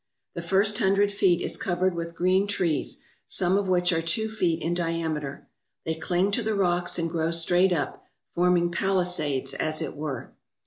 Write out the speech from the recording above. The first hundred feet is covered with green trees, some of which are two feet in diameter. They cling to the rocks and grow straight up, forming palisades, as it were.